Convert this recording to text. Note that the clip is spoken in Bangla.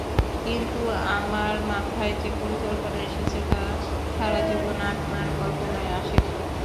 কিন্তু আমার মাথায় যে পরিকল্পনা এসেছে তা সারা জীবন আপনার কল্পনায় আসেনি।